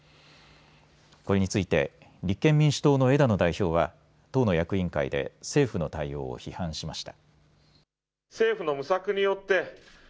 これについて立憲民主党の枝野代表は党の役員会で政府の対応を批判しました。